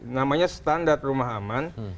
namanya standar rumah aman